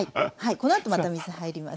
このあとまた水入ります。